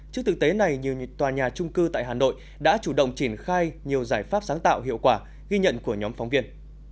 trước thực tế này nhiều tòa nhà trung cư tại hà nội đã chủ động triển khai nhiều giải pháp sáng tạo hiệu quả ghi nhận của nhóm phóng viên